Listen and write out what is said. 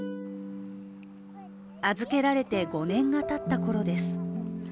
預けられて５年がたったころです。